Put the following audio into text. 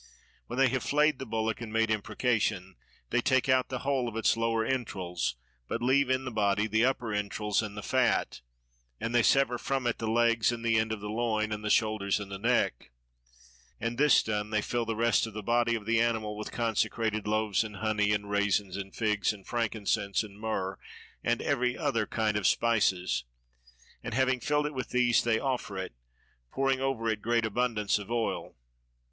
When they have flayed the bullock and made imprecation, they take out the whole of its lower entrails but leave in the body the upper entrails and the fat; and they sever from it the legs and the end of the loin and the shoulders and the neck: and this done, they fill the rest of the body of the animal with consecrated loaves and honey and raisins and figs and frankincense and myrrh and every other kind of spices, and having filled it with these they offer it, pouring over it great abundance of oil.